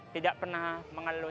tidak pernah mengeluh